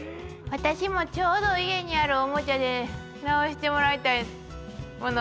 私もちょうど家にあるおもちゃで直してもらいたいものがあるのよ。